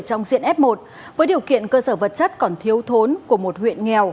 trong diện f một với điều kiện cơ sở vật chất còn thiếu thốn của một huyện nghèo